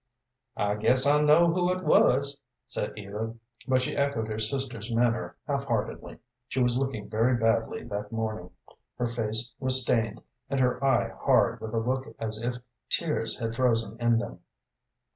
"I guess I know who it was," said Eva, but she echoed her sister's manner half heartedly. She was looking very badly that morning, her face was stained, and her eye hard with a look as if tears had frozen in them.